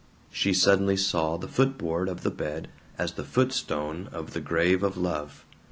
She suddenly saw the foot board of the bed as the foot stone of the grave of love.